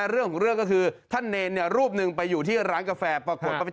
เรื่องของเรื่องก็คือท่านเนรนเนี่ยรูปนึงไปอยู่ที่ร้านกาแฟปรากฏ